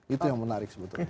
itu yang menarik sebetulnya